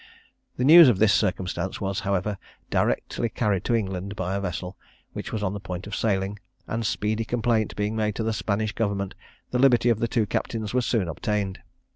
The news of this circumstance was, however, directly carried to England by a vessel, which was on the point of sailing; and speedy complaint being made to the Spanish government, the liberty of the two captains was soon obtained.